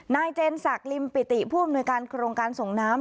นายเจนสักริมปิติผู้อุณวยการกรงการส่งน้ำ